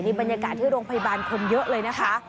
บรรยากาศที่โรงพยาบาลคนเยอะเลยนะคะ